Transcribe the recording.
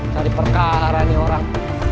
cari perkara nih orang